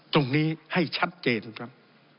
ตรงนี้ให้ชัดเจนครับ